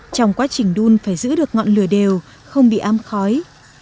trong quá trình đun phải giữ được ngọn lửa đều không bị am khói